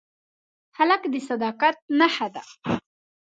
هلک د صداقت نښه ده.